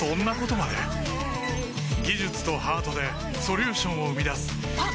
技術とハートでソリューションを生み出すあっ！